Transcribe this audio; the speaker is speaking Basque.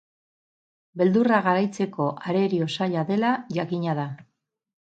Beldurra garaitzeko arerio zaila dela jakina da.